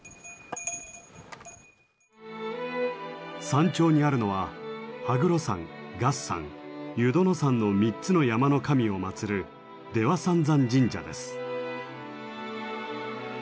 山頂にあるのは羽黒山月山湯殿山の３つの山の神をまつる出羽三山神社です。